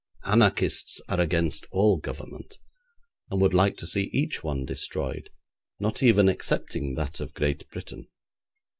Anarchists are against all government, and would like to see each one destroyed, not even excepting that of Great Britain.